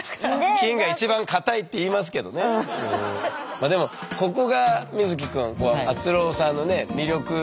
まあでもここが瑞稀くんあつろーさんのね魅力の。